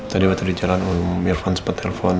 tadi waktu di jalan om irfan sempat telpon